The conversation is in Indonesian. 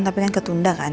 tapi kan ketunda kan